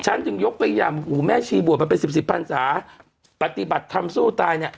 ฉันจึงยกไปหย่ำหูแม่ชีบวชมาเป็นสิบสิบพันศาปฏิบัติธรรมสู้ตายเนี่ย